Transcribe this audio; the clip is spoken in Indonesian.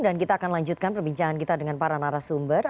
dan kita akan lanjutkan perbincangan kita dengan para narasumber